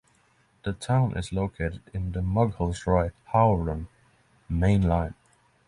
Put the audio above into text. The town is located in the Mughalsarai - Howrah main line.